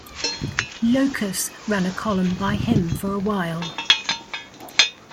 "Locus" ran a column by him for a while.